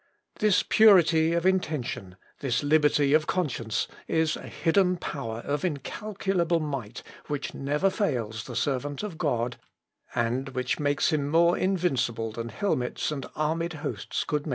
This purity of intention, this liberty of conscience is a hidden power of incalculable might which never fails the servant of God, and which makes him more invincible than helmets and armied hosts could make him.